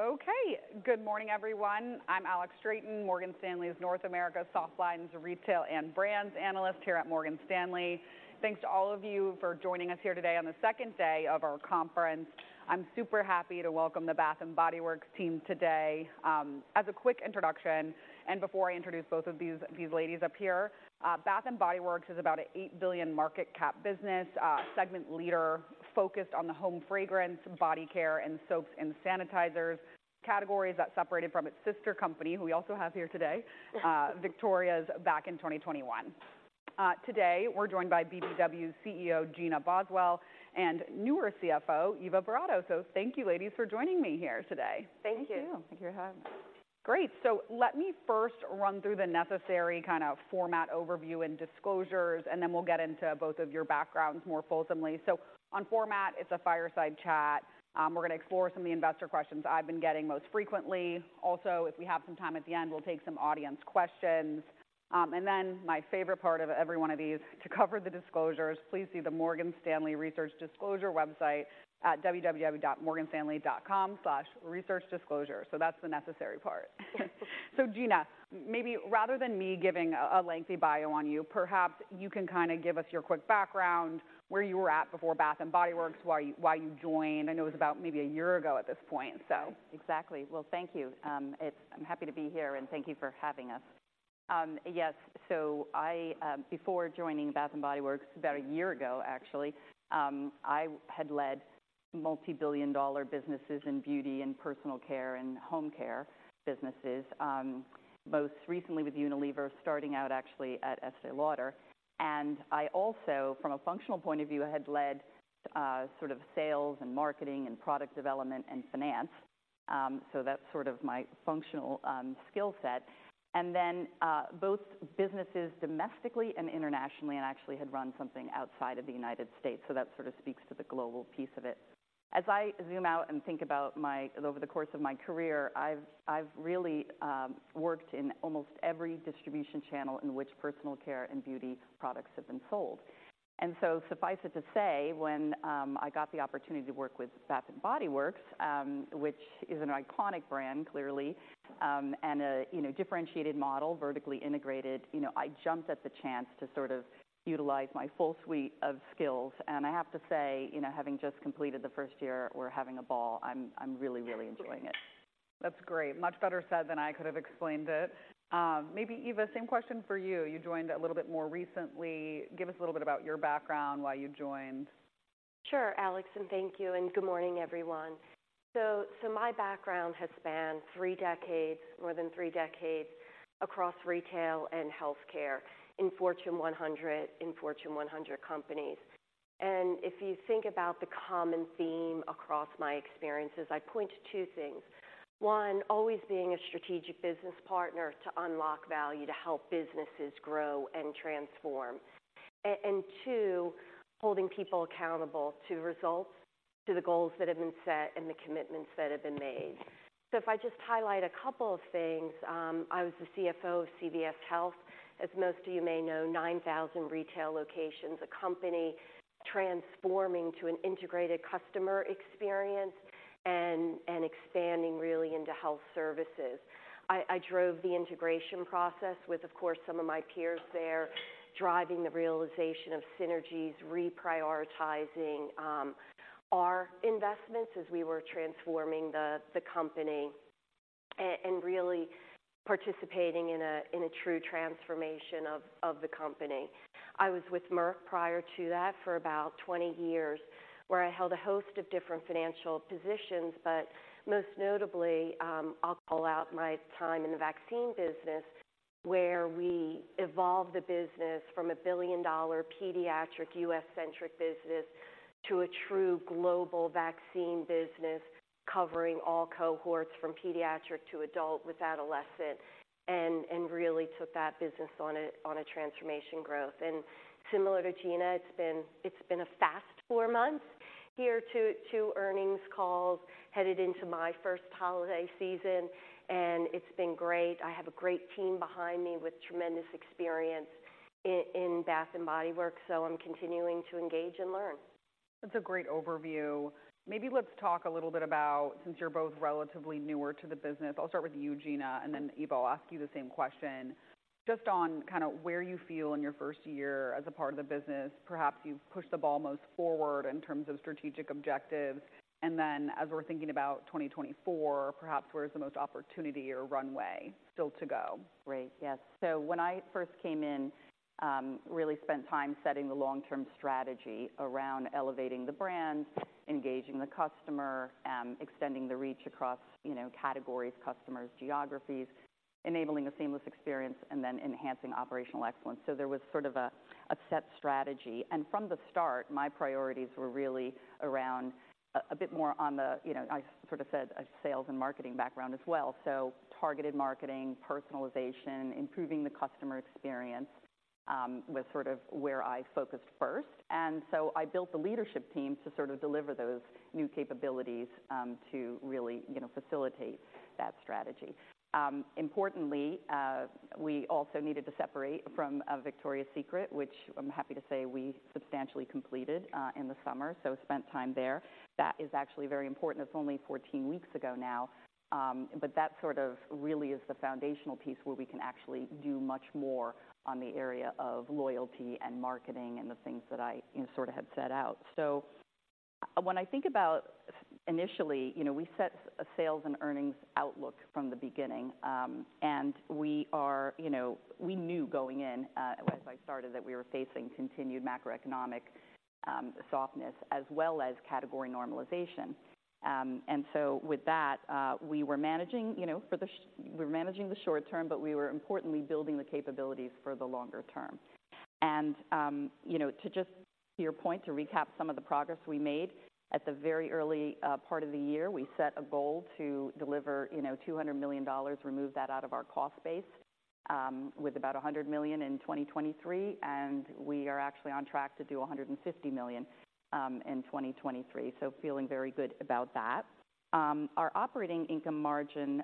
Okay, good morning, everyone. I'm Alex Straton, Morgan Stanley's North America Softlines, Retail, and Brands analyst here at Morgan Stanley. Thanks to all of you for joining us here today on the second day of our conference. I'm super happy to welcome the Bath & Body Works team today. As a quick introduction, and before I introduce both of these, these ladies up here, Bath & Body Works is about a $8 billion market cap business, segment leader focused on the home fragrance, body care, and soaps and sanitizers, categories that separated from its sister company, who we also have here today, Victoria's, back in 2021. Today, we're joined by BBW's CEO, Gina Boswell, and newer CFO, Eva Boratto. So thank you ladies for joining me here today. Thank you. Thank you. Thank you for having us. Great! So let me first run through the necessary kind of format, overview, and disclosures, and then we'll get into both of your backgrounds more fulsomely. So on format, it's a fireside chat. We're gonna explore some of the investor questions I've been getting most frequently. Also, if we have some time at the end, we'll take some audience questions. And then my favorite part of every one of these, to cover the disclosures, please see the Morgan Stanley Research Disclosure website at www.morganstanley.com/researchdisclosure. So that's the necessary part. So Gina, maybe rather than me giving a, a lengthy bio on you, perhaps you can kind of give us your quick background, where you were at before Bath & Body Works, why you, why you joined. I know it was about maybe a year ago at this point, so. Exactly. Well, thank you. I'm happy to be here, and thank you for having us. Yes, so I, before joining Bath & Body Works, about a year ago, actually, I had led multibillion-dollar businesses in beauty and personal care and home care businesses, most recently with Unilever, starting out actually at Estée Lauder. And I also, from a functional point of view, had led sort of sales and marketing and product development and finance. So that's sort of my functional skill set. And then both businesses, domestically and internationally, and actually had run something outside of the United States, so that sort of speaks to the global piece of it. As I zoom out and think about my... Over the course of my career, I've really worked in almost every distribution channel in which personal care and beauty products have been sold. And so suffice it to say, when I got the opportunity to work with Bath & Body Works, which is an iconic brand, clearly, and a, you know, differentiated model, vertically integrated, you know, I jumped at the chance to sort of utilize my full suite of skills. And I have to say, you know, having just completed the first year, we're having a ball. I'm really, really enjoying it. That's great. Much better said than I could have explained it. Maybe, Eva, same question for you. You joined a little bit more recently. Give us a little bit about your background, why you joined. Sure, Alex, and thank you, and good morning, everyone. So, so my background has spanned three decades, more than three decades across retail and healthcare in Fortune 100, in Fortune 100 companies. And if you think about the common theme across my experiences, I'd point to two things. One, always being a strategic business partner to unlock value to help businesses grow and transform. And two, holding people accountable to results, to the goals that have been set and the commitments that have been made. So if I just highlight a couple of things, I was the CFO of CVS Health. As most of you may know, 9,000 retail locations, a company transforming to an integrated customer experience and, and expanding really into health services. I drove the integration process with, of course, some of my peers there, driving the realization of synergies, reprioritizing our investments as we were transforming the company and really participating in a true transformation of the company. I was with Merck prior to that for about 20 years, where I held a host of different financial positions, but most notably, I'll call out my time in the vaccine business, where we evolved the business from a billion-dollar pediatric U.S.-centric business to a true global vaccine business, covering all cohorts from pediatric to adult with adolescent, and really took that business on a transformation growth. Similar to Gina, it's been a fast 4 months here, 2 earnings calls, headed into my first holiday season, and it's been great. I have a great team behind me with tremendous experience in Bath & Body Works, so I'm continuing to engage and learn. That's a great overview. Maybe let's talk a little bit about, since you're both relatively newer to the business, I'll start with you, Gina, and then, Eva, I'll ask you the same question. Just on kind of where you feel in your first year as a part of the business, perhaps you've pushed the ball most forward in terms of strategic objectives. And then, as we're thinking about 2024, perhaps where is the most opportunity or runway still to go? Great. Yes. So when I first came in, really spent time setting the long-term strategy around elevating the brand, engaging the customer, extending the reach across, you know, categories, customers, geographies, enabling a seamless experience, and then enhancing operational excellence. So there was sort of a set strategy, and from the start, my priorities were really around a bit more on the, you know, I sort of said a sales and marketing background as well. So targeted marketing, personalization, improving the customer experience, was sort of where I focused first. And so I built the leadership team to sort of deliver those new capabilities, to really, you know, facilitate that strategy. Importantly, we also needed to separate from Victoria's Secret, which I'm happy to say we substantially completed in the summer, so spent time there. That is actually very important. It's only 14 weeks ago now, but that sort of really is the foundational piece where we can actually do much more on the area of loyalty and marketing and the things that I, you know, sort of had set out. So when I think about initially, you know, we set a sales and earnings outlook from the beginning, and we are, you know, we knew going in, as I started, that we were facing continued macroeconomic softness as well as category normalization. And so with that, we were managing, you know, the short term, but we were importantly building the capabilities for the longer term. You know, to just your point, to recap some of the progress we made, at the very early part of the year, we set a goal to deliver, you know, $200 million, remove that out of our cost base, with about $100 million in 2023, and we are actually on track to do $150 million in 2023. So feeling very good about that. Our operating income margin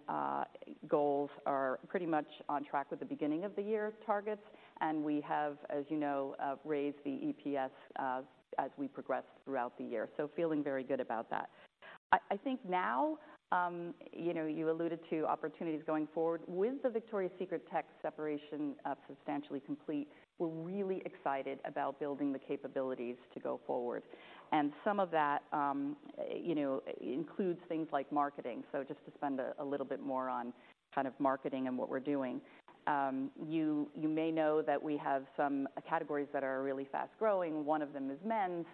goals are pretty much on track with the beginning of the year targets, and we have, as you know, raised the EPS as we progress throughout the year. So feeling very good about that. I think now, you know, you alluded to opportunities going forward. With the Victoria's Secret separation substantially complete, we're really excited about building the capabilities to go forward. Some of that, you know, includes things like marketing. So just to spend a little bit more on kind of marketing and what we're doing. You may know that we have some categories that are really fast-growing. One of them is men's.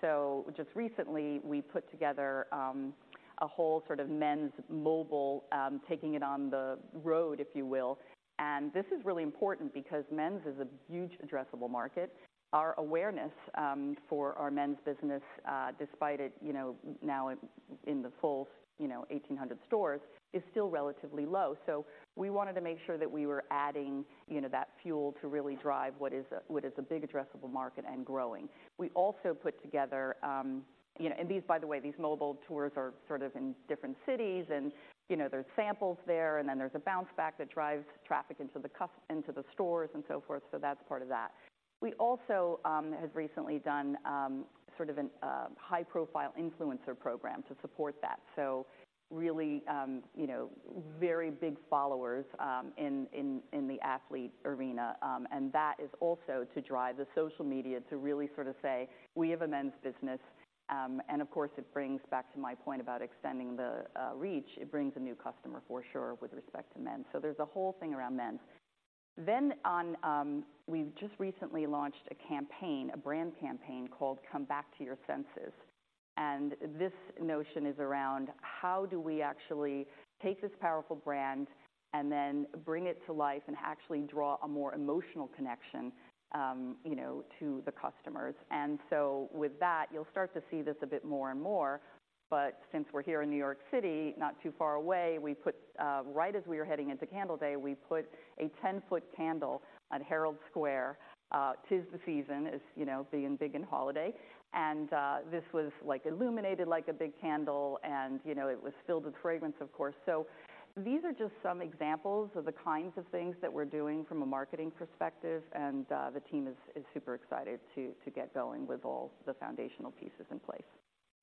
So just recently, we put together a whole sort of men's mobile, taking it on the road, if you will. This is really important because men's is a huge addressable market. Our awareness for our men's business, despite it, you know, now in the full, you know, 1,800 stores, is still relatively low. So we wanted to make sure that we were adding, you know, that fuel to really drive what is a big addressable market and growing. We also put together... You know, and these, by the way, these mobile tours are sort of in different cities and, you know, there's samples there, and then there's a bounce back that drives traffic into the stores and so forth. So that's part of that. We also have recently done sort of a high-profile influencer program to support that. So really, you know, very big followers in the athlete arena, and that is also to drive the social media to really sort of say, "We have a men's business." And of course, it brings back to my point about extending the reach. It brings a new customer, for sure, with respect to men. So there's a whole thing around men. Then on, we've just recently launched a campaign, a brand campaign called Come Back to Your Senses, and this notion is around how do we actually take this powerful brand and then bring it to life and actually draw a more emotional connection, you know, to the customers. And so with that, you'll start to see this a bit more and more, but since we're here in New York City, not too far away, we put. Right as we were heading into Candle Day, we put a 10-foot candle on Herald Square. 'Tis the Season is, you know, being big in holiday. And, this was, like, illuminated like a big candle and, you know, it was filled with fragrance, of course. So these are just some examples of the kinds of things that we're doing from a marketing perspective, and the team is super excited to get going with all the foundational pieces in place.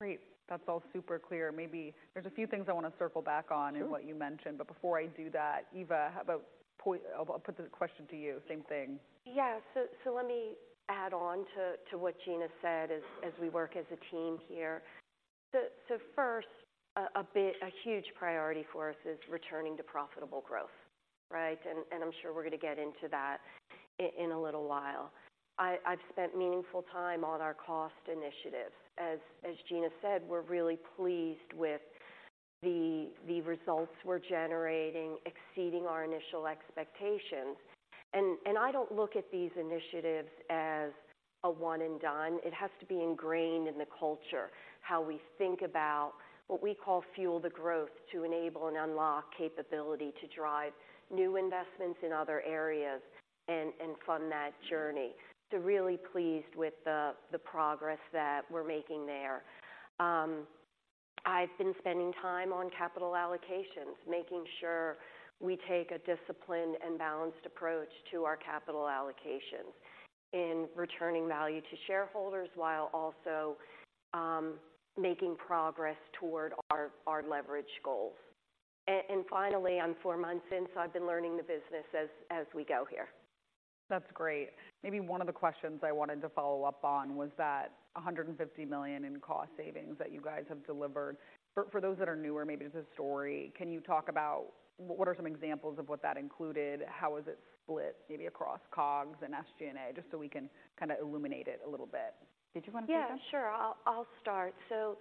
Great! That's all super clear. Maybe there's a few things I want to circle back on- Sure. in what you mentioned, but before I do that, Eva, how about I'll put the question to you. Same thing. Yeah. So let me add on to what Gina said as we work as a team here. So first, a huge priority for us is returning to profitable growth, right? And I'm sure we're going to get into that in a little while. I've spent meaningful time on our cost initiatives. As Gina said, we're really pleased with the results we're generating, exceeding our initial expectations. And I don't look at these initiatives as a one and done. It has to be ingrained in the culture, how we think about what we call fuel the growth, to enable and unlock capability to drive new investments in other areas and fund that journey. So really pleased with the progress that we're making there. I've been spending time on capital allocations, making sure we take a disciplined and balanced approach to our capital allocations in returning value to shareholders, while also making progress toward our leverage goals. And finally, I'm four months in, so I've been learning the business as we go here. That's great. Maybe one of the questions I wanted to follow up on was that $150 million in cost savings that you guys have delivered. For those that are newer, maybe to the story, can you talk about what are some examples of what that included? How is it split, maybe across COGS and SG&A, just so we can kinda illuminate it a little bit. Did you want to take that? Yeah, sure. I'll start. So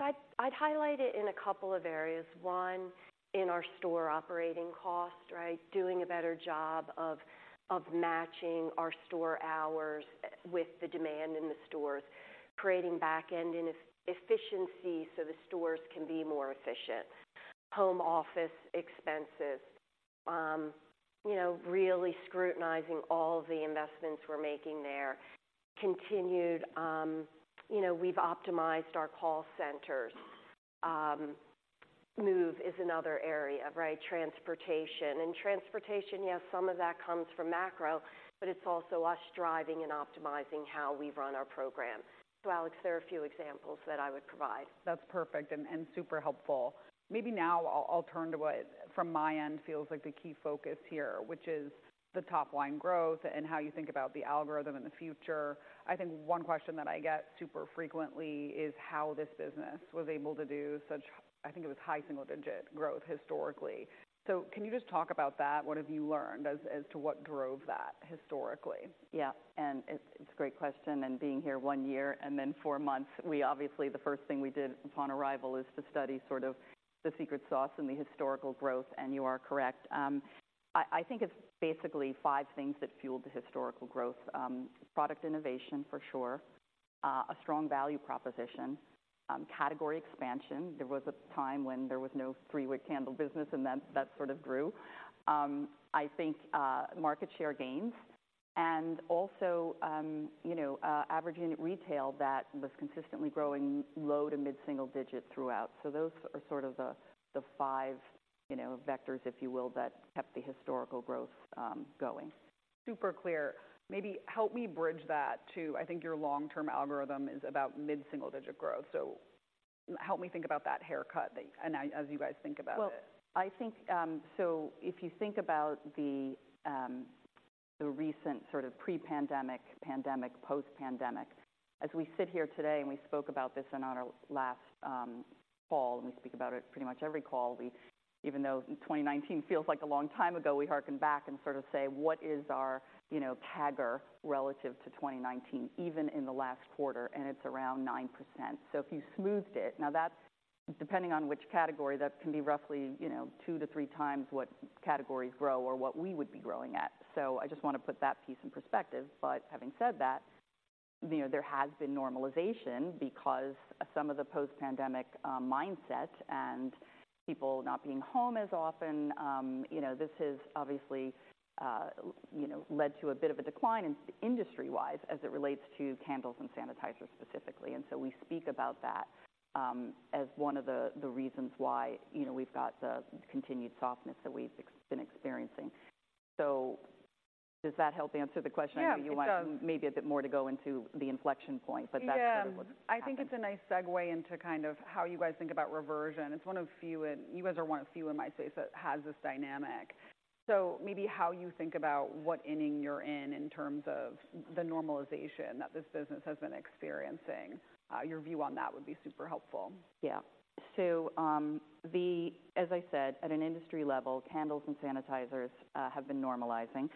I'd highlight it in a couple of areas. One, in our store operating cost, right? Doing a better job of matching our store hours with the demand in the stores, creating back-end efficiency so the stores can be more efficient. Home office expenses.... you know, really scrutinizing all the investments we're making there. Continued, you know, we've optimized our call centers. Move is another area, right? Transportation. And transportation, yes, some of that comes from macro, but it's also us driving and optimizing how we run our program. So Alex, there are a few examples that I would provide. That's perfect and super helpful. Maybe now I'll turn to what from my end feels like the key focus here, which is the top line growth and how you think about the algorithm in the future. I think one question that I get super frequently is how this business was able to do such, I think it was high single-digit growth historically. So can you just talk about that? What have you learned as to what drove that historically? Yeah, and it's a great question, and being here one year and then four months, we obviously the first thing we did upon arrival is to study sort of the secret sauce and the historical growth, and you are correct. I think it's basically five things that fueled the historical growth. Product innovation, for sure, a strong value proposition, category expansion. There was a time when there was no three-wick candle business, and that sort of grew. I think market share gains and also you know average unit retail that was consistently growing low- to mid-single-digit throughout. So those are sort of the five you know vectors, if you will, that kept the historical growth going. Super clear. Maybe help me bridge that to, I think your long-term algorithm is about mid-single-digit growth. So help me think about that haircut that, and as you guys think about it. Well, I think, So if you think about the, the recent sort of pre-pandemic, pandemic, post-pandemic, as we sit here today, and we spoke about this in on our last, call, and we speak about it pretty much every call. We even though 2019 feels like a long time ago, we harken back and sort of say: What is our, you know, CAGR relative to 2019, even in the last quarter? And it's around 9%. So if you smoothed it, now that, depending on which category, that can be roughly, you know, 2-3 times what categories grow or what we would be growing at. So I just want to put that piece in perspective, but having said that, you know, there has been normalization because some of the post-pandemic mindset and people not being home as often, you know, this has obviously, you know, led to a bit of a decline in industry-wise as it relates to candles and sanitizers specifically. And so we speak about that, as one of the reasons why, you know, we've got the continued softness that we've been experiencing. So does that help answer the question? Yeah, it does. I know you want maybe a bit more to go into the inflection point, but that's sort of what- Yeah. -happened. I think it's a nice segue into kind of how you guys think about reversion. It's one of few, and you guys are one of few, I might say, that has this dynamic. So maybe how you think about what inning you're in, in terms of the normalization that this business has been experiencing, your view on that would be super helpful. Yeah. So, as I said, at an industry level, candles and sanitizers have been normalizing,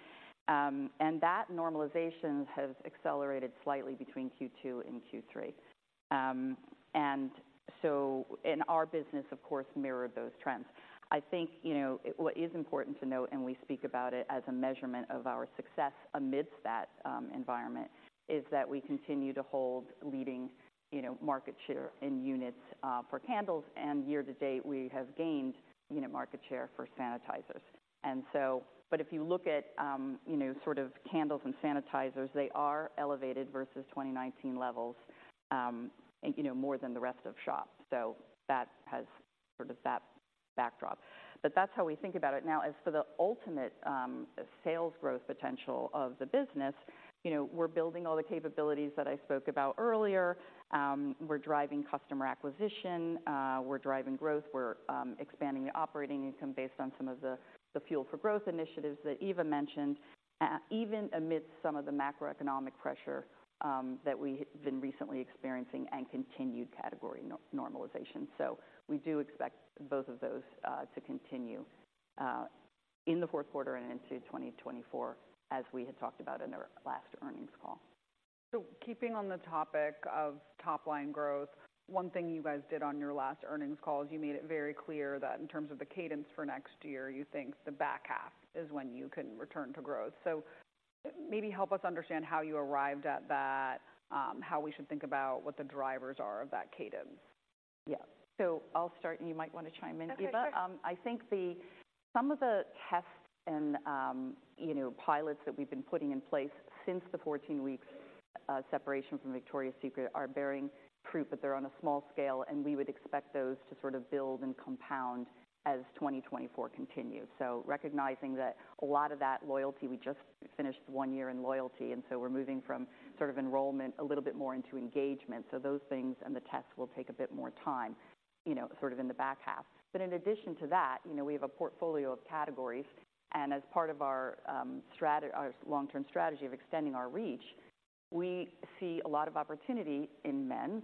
and that normalization has accelerated slightly between Q2 and Q3. And so, our business, of course, mirrors those trends. I think, you know, what is important to note, and we speak about it as a measurement of our success amidst that environment, is that we continue to hold leading, you know, market share in units for candles, and year to date, we have gained unit market share for sanitizers. And so, but if you look at, you know, sort of candles and sanitizers, they are elevated versus 2019 levels, and, you know, more than the rest of shop. So that has sort of that backdrop. But that's how we think about it. Now, as for the ultimate sales growth potential of the business, you know, we're building all the capabilities that I spoke about earlier. We're driving customer acquisition, we're driving growth, we're expanding the operating income based on some of the fuel for growth initiatives that Eva mentioned, even amidst some of the macroeconomic pressure that we have been recently experiencing and continued category normalization. So we do expect both of those to continue in the fourth quarter and into 2024, as we had talked about in our last earnings call. So keeping on the topic of top-line growth, one thing you guys did on your last earnings call is you made it very clear that in terms of the cadence for next year, you think the back half is when you can return to growth. So maybe help us understand how you arrived at that, how we should think about what the drivers are of that cadence. Yeah. So I'll start, and you might want to chime in, Eva. Okay, sure. I think some of the tests and, you know, pilots that we've been putting in place since the 14 weeks separation from Victoria's Secret are bearing fruit, but they're on a small scale, and we would expect those to sort of build and compound as 2024 continues. So recognizing that a lot of that loyalty, we just finished one year in loyalty, and so we're moving from sort of enrollment a little bit more into engagement. So those things and the tests will take a bit more time, you know, sort of in the back half. But in addition to that, you know, we have a portfolio of categories, and as part of our our long-term strategy of extending our reach, we see a lot of opportunity in men's,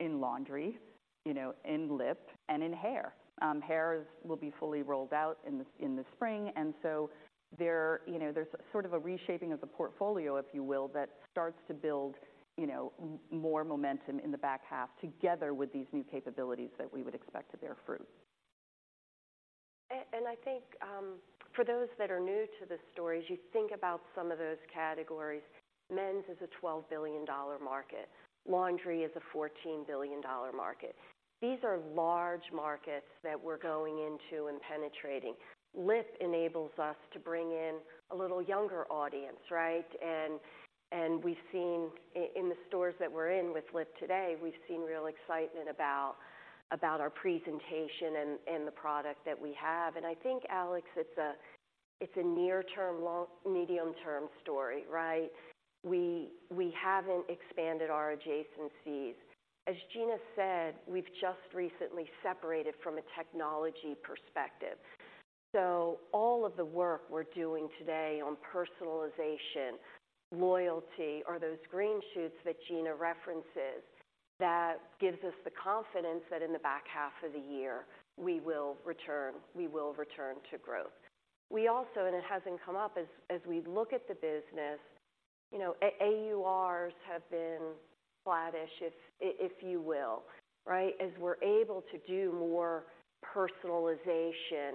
in laundry, you know, in lip, and in hair. Hair will be fully rolled out in the spring, and so there, you know, there's sort of a reshaping of the portfolio, if you will, that starts to build, you know, more momentum in the back half together with these new capabilities that we would expect to bear fruit.... And I think, for those that are new to the stories, you think about some of those categories. Men's is a $12 billion market. Laundry is a $14 billion market. These are large markets that we're going into and penetrating. Lip enables us to bring in a little younger audience, right? And we've seen in the stores that we're in with lip today, we've seen real excitement about our presentation and the product that we have. And I think, Alex, it's a near-term, medium-term story, right? We haven't expanded our adjacencies. As Gina said, we've just recently separated from a technology perspective. So all of the work we're doing today on personalization, loyalty, are those green shoots that Gina references, that gives us the confidence that in the back half of the year, we will return, we will return to growth. We also, and it hasn't come up, as we look at the business, you know, AURs have been flattish, if you will, right? As we're able to do more personalization,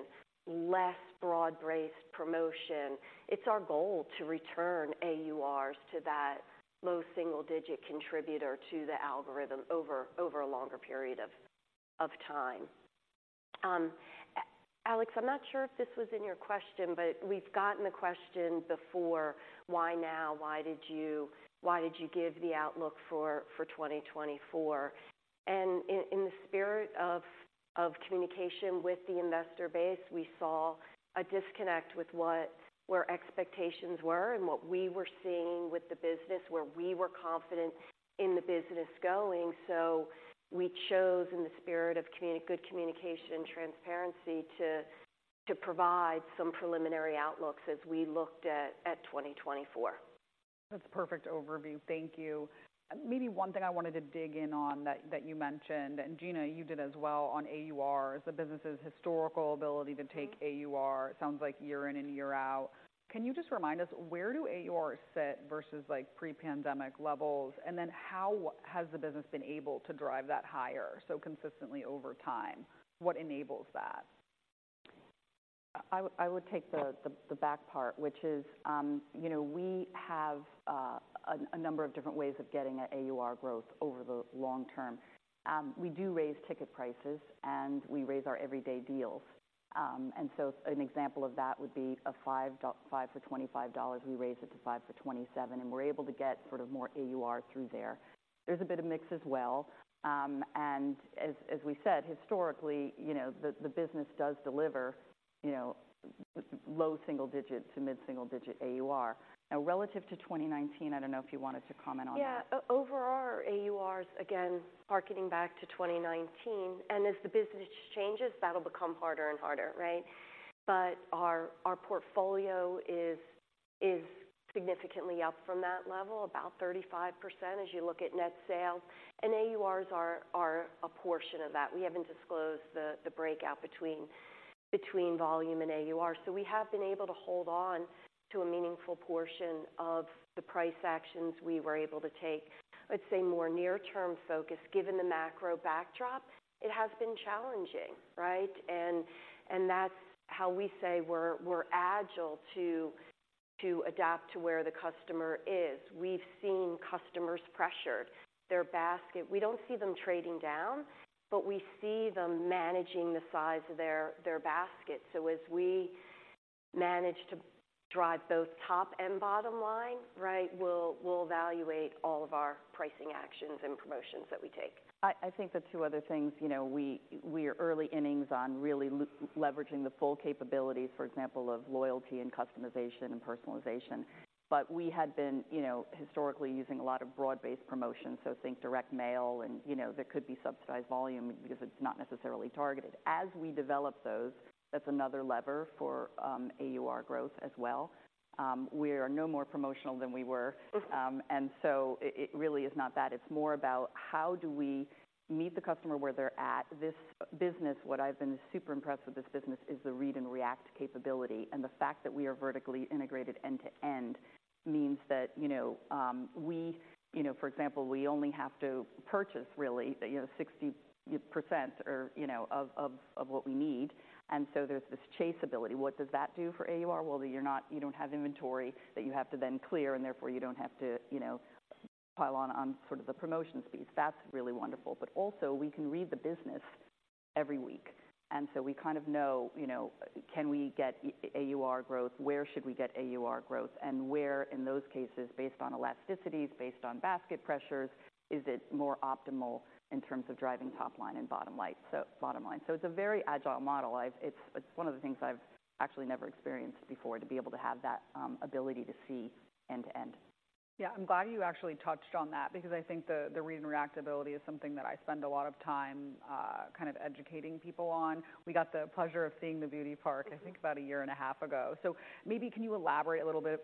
less broad-based promotion, it's our goal to return AURs to that low single digit contributor to the algorithm over a longer period of time. Alex, I'm not sure if this was in your question, but we've gotten the question before: Why now? Why did you, why did you give the outlook for 2024? And in the spirit of communication with the investor base, we saw a disconnect with where expectations were and what we were seeing with the business, where we were confident in the business going. So we chose, in the spirit of good communication and transparency, to provide some preliminary outlooks as we looked at 2024. That's a perfect overview. Thank you. Maybe one thing I wanted to dig in on that, that you mentioned, and Gina, you did as well on AUR, is the business's historical ability to take AUR. It sounds like year in and year out. Can you just remind us, where do AUR sit versus, like, pre-pandemic levels? And then, how has the business been able to drive that higher so consistently over time? What enables that? I would take the back part, which is, you know, we have a number of different ways of getting at AUR growth over the long term. We do raise ticket prices, and we raise our everyday deals. And so an example of that would be a five for $25, we raise it to five for $27, and we're able to get sort of more AUR through there. There's a bit of mix as well, and as we said, historically, you know, the business does deliver, you know, low single-digit to mid-single-digit AUR. Now, relative to 2019, I don't know if you wanted to comment on that. Yeah, overall, our AURs, again, harkening back to 2019, and as the business changes, that'll become harder and harder, right? But our portfolio is significantly up from that level, about 35% as you look at net sales, and AURs are a portion of that. We haven't disclosed the breakout between volume and AUR. So we have been able to hold on to a meaningful portion of the price actions we were able to take. I'd say more near-term focus, given the macro backdrop, it has been challenging, right? And that's how we say we're agile to adapt to where the customer is. We've seen customers pressured. Their basket... We don't see them trading down, but we see them managing the size of their basket. As we manage to drive both top and bottom line, right, we'll evaluate all of our pricing actions and promotions that we take. I think the two other things, you know, we are early innings on really leveraging the full capabilities, for example, of loyalty and customization and personalization. But we had been, you know, historically using a lot of broad-based promotions, so think direct mail and, you know, there could be subsidized volume because it's not necessarily targeted. As we develop those, that's another lever for AUR growth as well. We are no more promotional than we were. And so it really is not that. It's more about how do we meet the customer where they're at? This business, what I've been super impressed with this business, is the read and react capability, and the fact that we are vertically integrated end to end means that, you know, we, you know, for example, we only have to purchase really, you know, 60% or, you know, of what we need, and so there's this chase ability. What does that do for AUR? Well, you're not, you don't have inventory that you have to then clear, and therefore, you don't have to, you know, pile on sort of the promotion fees. That's really wonderful. But also, we can read the business every week, and so we kind of know, you know, can we get AUR growth? Where should we get AUR growth? And where, in those cases, based on elasticities, based on basket pressures, is it more optimal in terms of driving top line and bottom line, so bottom line? So it's a very agile model. I've. It's, it's one of the things I've actually never experienced before, to be able to have that ability to see end to end. Yeah, I'm glad you actually touched on that because I think the read and react ability is something that I spend a lot of time, kind of educating people on. We got the pleasure of seeing the Beauty Park, I think, about a year and a half ago. So maybe can you elaborate a little bit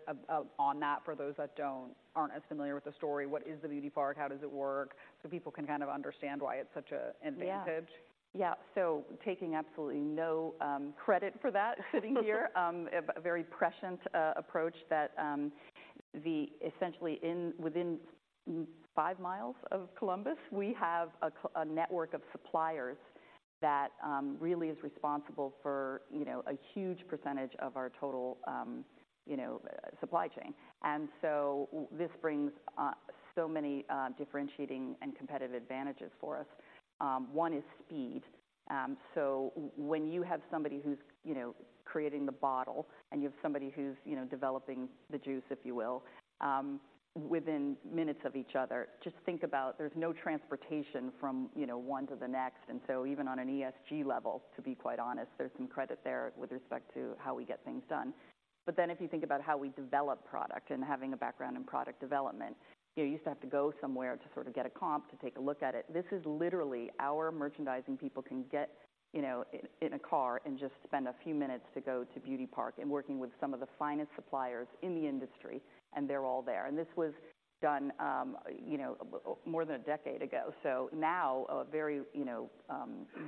on that for those that don't... aren't as familiar with the story? What is the Beauty Park? How does it work? So people can kind of understand why it's such a advantage. Yeah. Yeah, so taking absolutely no credit for that, sitting here, a very prescient approach that essentially within five miles of Columbus, we have a network of suppliers that really is responsible for, you know, a huge percentage of our total, you know, supply chain. And so this brings so many differentiating and competitive advantages for us. One is speed. So when you have somebody who's, you know, creating the bottle and you have somebody who's, you know, developing the juice, if you will, within minutes of each other, just think about there's no transportation from, you know, one to the next. And so even on an ESG level, to be quite honest, there's some credit there with respect to how we get things done. But then if you think about how we develop product and having a background in product development, you know, you used to have to go somewhere to sort of get a comp to take a look at it. This is literally our merchandising people can get, you know, in a car and just spend a few minutes to go to Beauty Park and working with some of the finest suppliers in the industry, and they're all there. And this was done, you know, more than a decade ago. So now, a very, you know,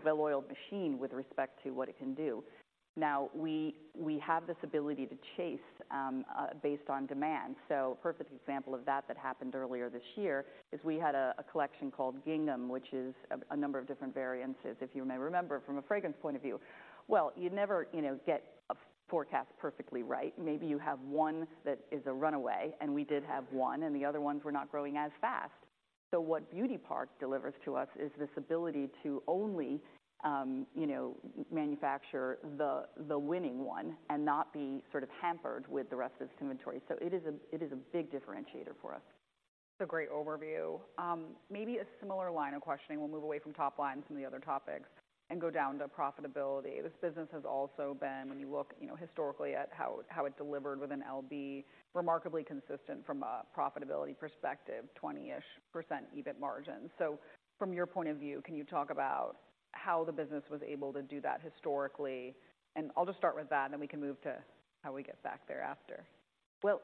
well-oiled machine with respect to what it can do. Now, we have this ability to chase based on demand. So a perfect example of that that happened earlier this year is we had a collection called Gingham, which is a number of different variants, if you may remember, from a fragrance point of view. Well, you never, you know, get a forecast perfectly right. Maybe you have one that is a runaway, and we did have one, and the other ones were not growing as fast. So what Beauty Park delivers to us is this ability to only, you know, manufacture the winning one and not be sort of hampered with the rest of this inventory. So it is a big differentiator for us. That's a great overview. Maybe a similar line of questioning. We'll move away from top line from the other topics and go down to profitability. This business has also been, when you look, you know, historically at how it delivered with an LB, remarkably consistent from a profitability perspective, 20-ish% EBIT margin. So from your point of view, can you talk about how the business was able to do that historically? And I'll just start with that, and then we can move to how we get back thereafter. Well,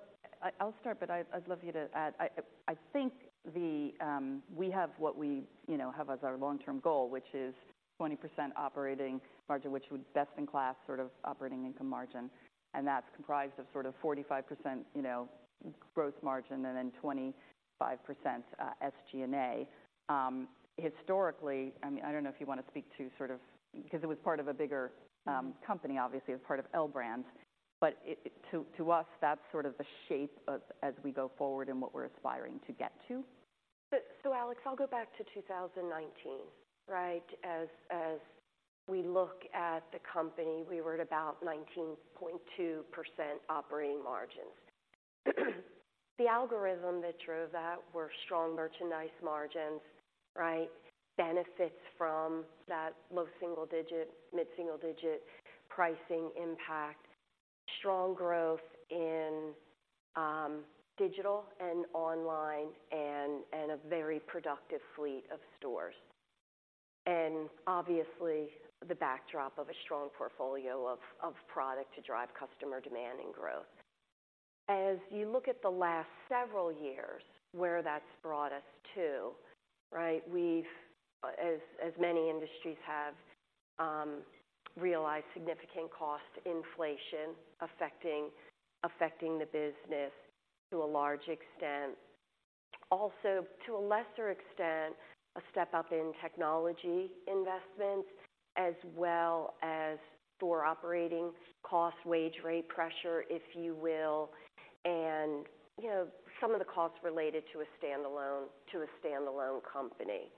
I'll start, but I'd love you to add. I think we have what we, you know, have as our long-term goal, which is 20% operating margin, which would best-in-class sort of operating income margin, and that's comprised of sort of 45%, you know, gross margin and then 25%, SG&A. Historically, I mean, I don't know if you want to speak to sort of because it was part of a bigger company, obviously, as part of L Brands, but it, to us, that's sort of the shape of as we go forward and what we're aspiring to get to. So, Alex, I'll go back to 2019, right? As we look at the company, we were at about 19.2% operating margins. The algorithm that drove that were strong merchandise margins, right? Benefits from that low single digit, mid single digit pricing impact, strong growth in digital and online and a very productive fleet of stores. And obviously, the backdrop of a strong portfolio of product to drive customer demand and growth. As you look at the last several years, where that's brought us to, right? We've, as many industries have, realized significant cost inflation affecting the business to a large extent. Also, to a lesser extent, a step up in technology investments, as well as store operating cost, wage rate pressure, if you will, and, you know, some of the costs related to a standalone, to a standalone company.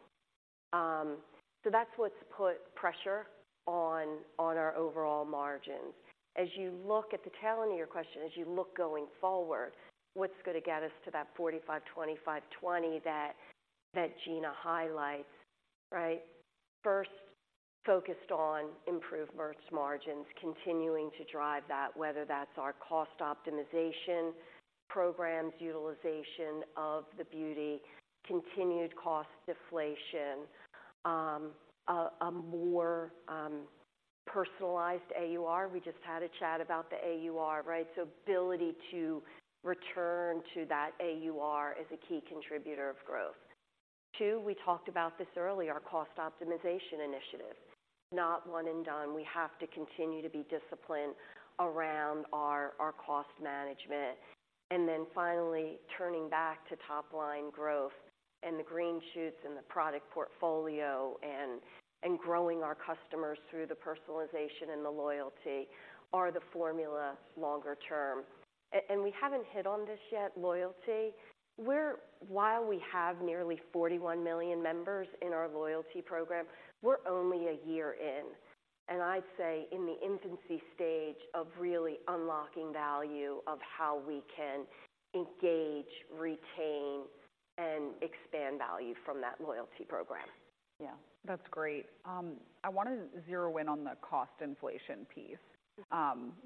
So that's what's put pressure on our overall margins. As you look at the tail end of your question, as you look going forward, what's going to get us to that 45, 25, 20 that Gina highlights, right? First, focused on improved merch margins, continuing to drive that, whether that's our cost optimization programs, utilization of the beauty, continued cost deflation, a more personalized AUR. We just had a chat about the AUR, right? So ability to return to that AUR is a key contributor of growth. Two, we talked about this earlier, our cost optimization initiative. Not one and done. We have to continue to be disciplined around our cost management. And then finally, turning back to top line growth and the green shoots in the product portfolio and growing our customers through the personalization and the loyalty are the formula longer term. And we haven't hit on this yet, loyalty. While we have nearly 41 million members in our loyalty program, we're only a year in, and I'd say in the infancy stage of really unlocking value of how we can engage, retain, and expand value from that loyalty program. Yeah, that's great. I wanted to zero in on the cost inflation piece.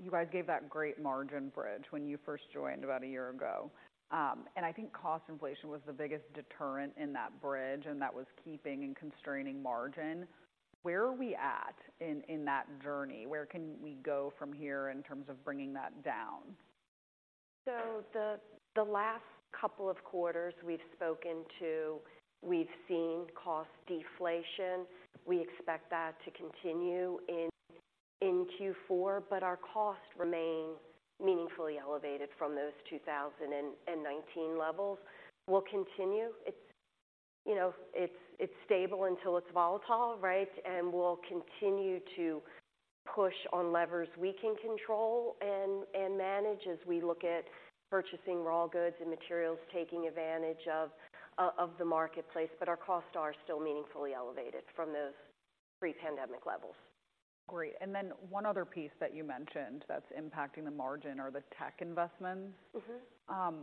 You guys gave that great margin bridge when you first joined about a year ago. And I think cost inflation was the biggest deterrent in that bridge, and that was keeping and constraining margin. Where are we at in that journey? Where can we go from here in terms of bringing that down? So the last couple of quarters we've spoken to, we've seen cost deflation. We expect that to continue in Q4, but our costs remain meaningfully elevated from those 2019 levels. We'll continue. It's, you know, it's stable until it's volatile, right? And we'll continue to push on levers we can control and manage as we look at purchasing raw goods and materials, taking advantage of the marketplace. But our costs are still meaningfully elevated from those pre-pandemic levels. Great. And then one other piece that you mentioned that's impacting the margin are the tech investments. Mm-hmm.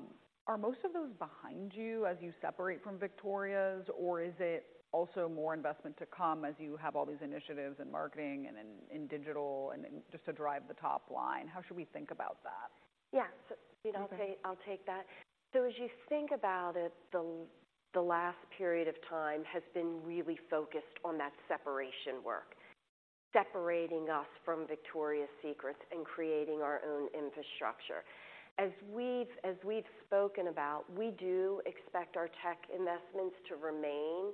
Are most of those behind you as you separate from Victoria's, or is it also more investment to come as you have all these initiatives in marketing and in digital, and then just to drive the top line? How should we think about that? Yeah. So, you know, I'll take, I'll take that. So as you think about it, the last period of time has been really focused on that separation work, separating us from Victoria's Secret and creating our own infrastructure. As we've spoken about, we do expect our tech investments to remain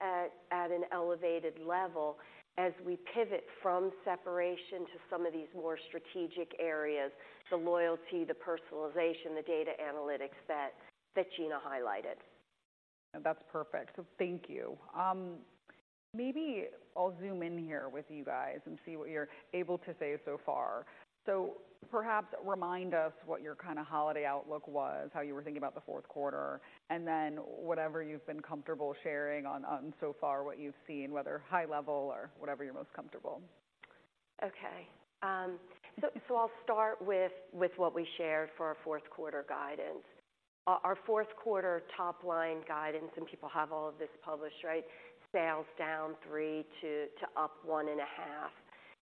at an elevated level as we pivot from separation to some of these more strategic areas: the loyalty, the personalization, the data analytics that Gina highlighted. That's perfect. So thank you. Maybe I'll zoom in here with you guys and see what you're able to say so far. So perhaps remind us what your kind of holiday outlook was, how you were thinking about the fourth quarter, and then whatever you've been comfortable sharing on so far, what you've seen, whether high level or whatever you're most comfortable. Okay. So I'll start with what we shared for our fourth quarter guidance. Our fourth quarter top line guidance, and people have all of this published, right? Sales down 3 to up 1.5,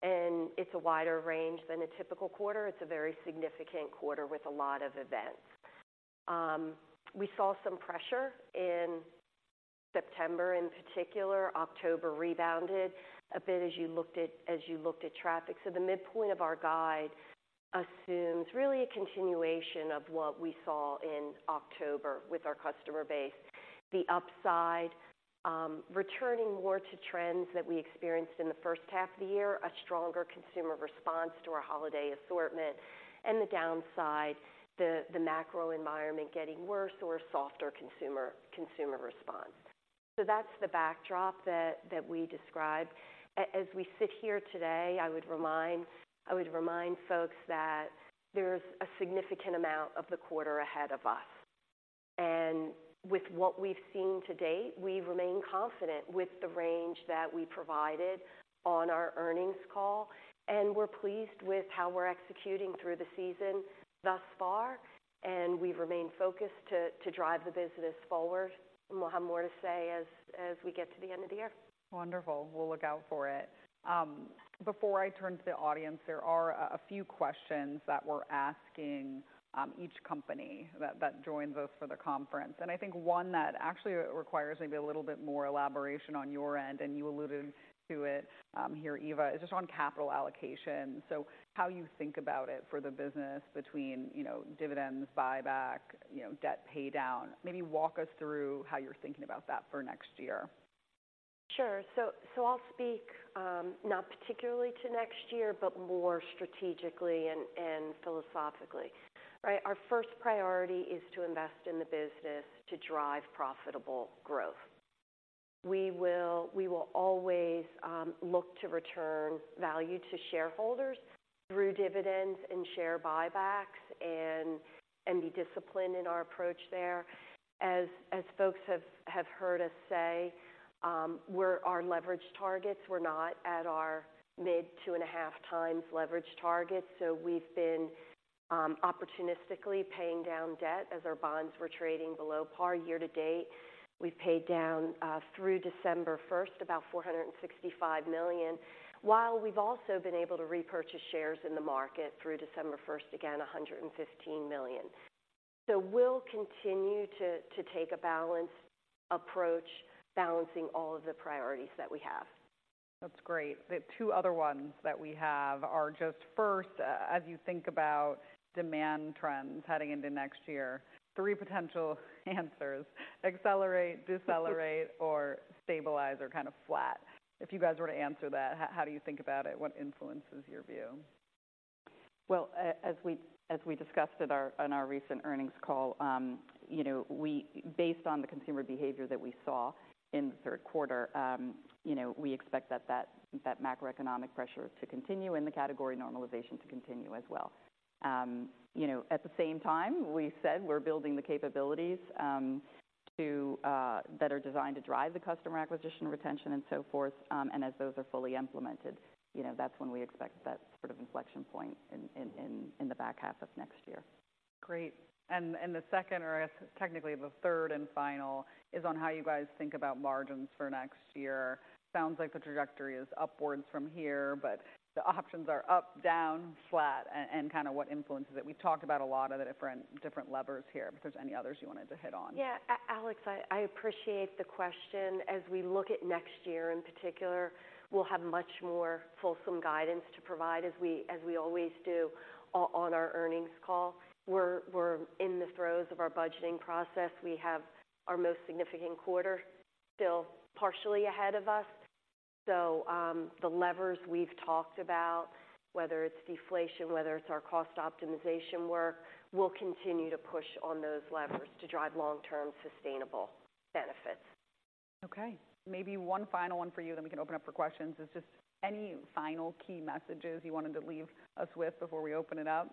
and it's a wider range than a typical quarter. It's a very significant quarter with a lot of events. We saw some pressure in September in particular. October rebounded a bit as you looked at traffic. So the midpoint of our guide assumes really a continuation of what we saw in October with our customer base. The upside, returning more to trends that we experienced in the first half of the year, a stronger consumer response to our holiday assortment, and the downside, the macro environment getting worse or a softer consumer response. So that's the backdrop that we described. As we sit here today, I would remind, I would remind folks that there's a significant amount of the quarter ahead of us, and with what we've seen to date, we remain confident with the range that we provided on our earnings call, and we're pleased with how we're executing through the season thus far, and we remain focused to, to drive the business forward. And we'll have more to say as, as we get to the end of the year. Wonderful. We'll look out for it. Before I turn to the audience, there are a few questions that we're asking each company that joins us for the conference, and I think one that actually requires maybe a little bit more elaboration on your end, and you alluded to it here, Eva, is just on capital allocation. So how you think about it for the business between, you know, dividends, buyback, you know, debt paydown. Maybe walk us through how you're thinking about that for next year. Sure. So I'll speak not particularly to next year, but more strategically and philosophically, right? Our first priority is to invest in the business to drive profitable growth. We will always look to return value to shareholders through dividends and share buybacks and be disciplined in our approach there. As folks have heard us say, we're... Our leverage targets, we're not at our mid 2.5 times leverage targets, so we've been opportunistically paying down debt as our bonds were trading below par year to date. We've paid down through December 1st, about $465 million, while we've also been able to repurchase shares in the market through December 1st, again, $115 million. So we'll continue to take a balanced approach, balancing all of the priorities that we have. That's great. The two other ones that we have are just, first, as you think about demand trends heading into next year, three potential answers: accelerate, decelerate, or stabilize or kind of flat. If you guys were to answer that, how do you think about it? What influences your view? Well, as we discussed on our recent earnings call, you know, based on the consumer behavior that we saw in the third quarter, you know, we expect that macroeconomic pressure to continue and the category normalization to continue as well. You know, at the same time, we said we're building the capabilities that are designed to drive the customer acquisition, retention, and so forth. And as those are fully implemented, you know, that's when we expect that sort of inflection point in the back half of next year. Great. And the second, or I guess technically the third and final, is on how you guys think about margins for next year. Sounds like the trajectory is upwards from here, but the options are up, down, flat, and kind of what influences it. We've talked about a lot of the different levers here, but if there's any others you wanted to hit on. Yeah. Alex, I appreciate the question. As we look at next year in particular, we'll have much more fulsome guidance to provide, as we always do on our earnings call. We're in the throes of our budgeting process. We have our most significant quarter still partially ahead of us. So, the levers we've talked about, whether it's deflation, whether it's our cost optimization work, we'll continue to push on those levers to drive long-term sustainable benefits. Okay, maybe one final one for you, then we can open up for questions. Is just any final key messages you wanted to leave us with before we open it up?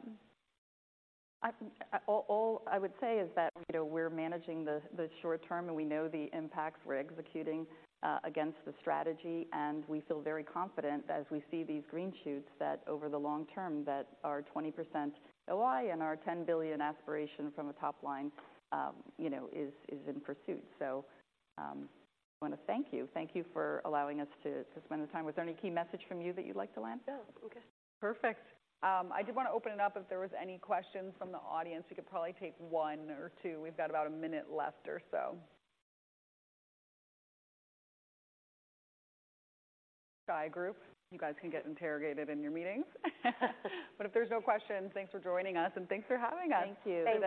All I would say is that, you know, we're managing the short term, and we know the impacts. We're executing against the strategy, and we feel very confident as we see these green shoots, that over the long term, that our 20% ROI and our $10 billion aspiration from a top line, you know, is in pursuit. So, I want to thank you. Thank you for allowing us to spend the time. Was there any key message from you that you'd like to land? No. We're good. Perfect. I did want to open it up if there was any questions from the audience. We could probably take one or two. We've got about a minute left or so. Side Group, you guys can get interrogated in your meetings. But if there's no questions, thanks for joining us, and thanks for having us. Thank you. Thank you.